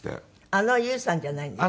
あのＹＯＵさんじゃないんでしょ？